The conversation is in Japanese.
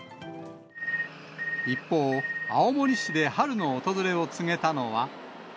一方、青森市で春の訪れを告げたのは。